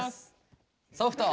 ソフト。